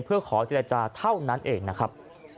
เพื่อขอเจรจาเท่านั้นเองนะครับ